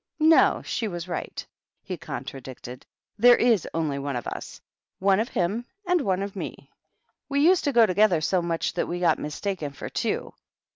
"No, she was right," he contradicted; "there is only one of us,— one of him and one of me. We used to go together so much that we got mis taken for two."